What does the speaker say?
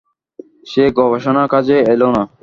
সেই গবেষণা কাজে এল না।